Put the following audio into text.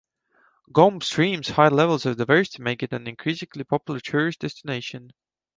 Gombe Stream's high levels of diversity make it an increasingly popular tourist destination.